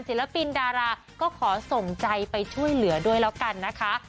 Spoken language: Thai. ศิลปินดาราก็ขอส่งใจไปช่วยเหลือด้วยแล้วกันนะคะ